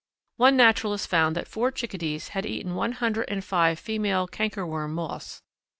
One naturalist found that four Chickadees had eaten one hundred and five female cankerworm moths.